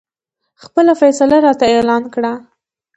خپله فیصله راته اعلان کړي.